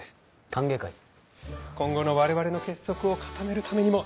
今後の我々の結束を固めるためにもぜひ。